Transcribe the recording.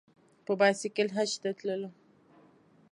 په بایسکل حج ته تللو.